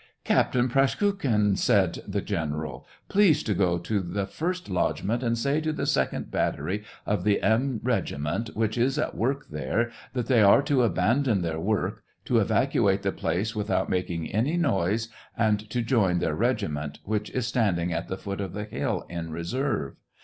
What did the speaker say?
" Captain Praskukhin !" said the general, S6 SEVASTOPOL IN MAY. *' please to go to the first lodgement and say to the second battery of the M regiment, which is at work there, that they are to abandon their work, to evacuate the place without making any noise, and to join their regiment, which is stand ing at the foot of the hill in reserve.